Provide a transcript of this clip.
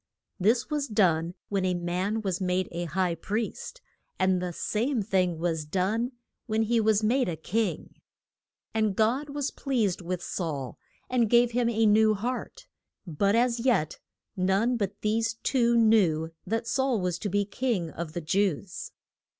This was done when a man was made a high priest; and the same thing was done when he was made a king. And God was pleased with Saul, and gave him a new heart; but as yet none but these two knew that Saul was to be King of the Jews.